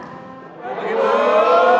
selamat pagi bu